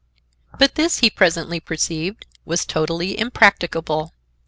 But this, he presently perceived, was totally impracticable.